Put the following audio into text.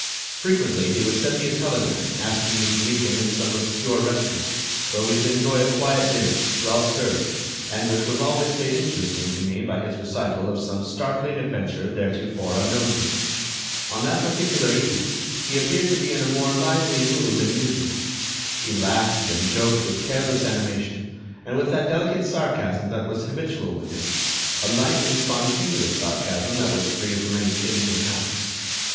Frequently he would send me a telegram asking me to meet him in some obscure restaurant, where we could enjoy a quiet dinner, well served, and which was always made interesting to me by his recital of some startling adventure theretofore unknown to me. On that particular evening he appeared to be in a more lively mood than usual. He laughed and joked with careless animation, and with that delicate sarcasm that was habitual with him—a light and spontaneous sarcasm that was quite free from any tinge of malice.